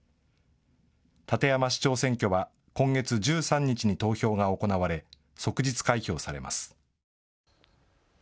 館山市長選挙は今月１３日に投票が行われ即日開票されます。